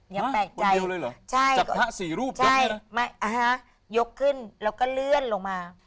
ยังแปลกใจใช่ไม่อะฮะยกขึ้นแล้วก็เลื่อนลงมา